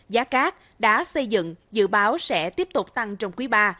giá các đá xây dựng dự báo sẽ tiếp tục tăng trong quý iii